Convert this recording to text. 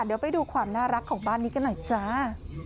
เดี๋ยวไปดูความน่ารักของบ้านนี้กันหน่อยจ้า